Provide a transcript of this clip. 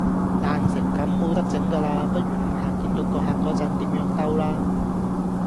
爛成咁冇得整架喇，不如諗下見到個客嗰陣點樣兜啦